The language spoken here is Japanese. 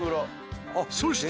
そして。